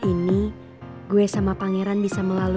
dewi panggil sama gue buat delegati ku